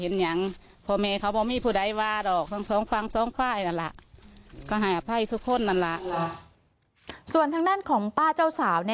นางวีรัยวัลหรือวงสาว